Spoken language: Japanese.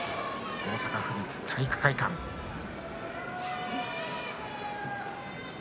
大阪府立体育会館です。